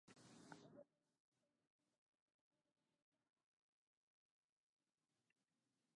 The marvellous element in his fate was suddenly vivid.